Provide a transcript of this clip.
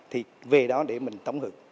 thì về đó để mình tổng hợp